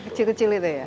kecil kecil itu ya